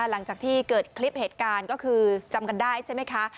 หลังจากที่เกิดคลิปเหตุการณ์ก็คือจำกันได้ใช่ไหมคะ